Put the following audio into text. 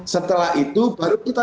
setelah itu baru kita